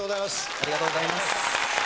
ありがとうございます。